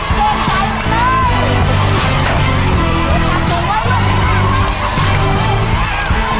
ต้องเร่งมือแล้วนะครับตอนนี้นะฮะ